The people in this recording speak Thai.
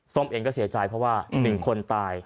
เองก็เสียใจเพราะว่า๑คนตาย